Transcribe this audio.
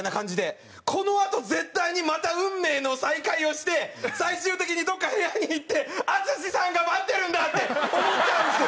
このあと絶対にまた運命の再会をして最終的にどこか部屋に行って淳さんが待ってるんだって思ったんですよ！